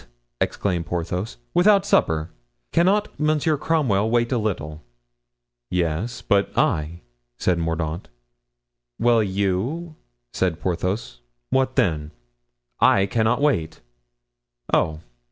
exclaimed Porthos "without supper? Cannot Monsieur Cromwell wait a little?" "Yes, but I?" said Mordaunt. "Well, you," said Porthos, "what then?" "I cannot wait." "Oh!